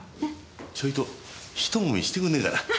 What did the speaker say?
ちょいとひと揉みしてくんねえかな。